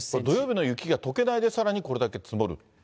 土曜日の雪がとけないで、さらにこれだけ積もる？